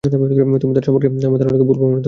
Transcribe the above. তুমি তার সম্পর্কে আমার ধারণাকে ভুল প্রমাণিত করো না।